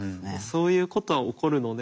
そういうことは起こるので。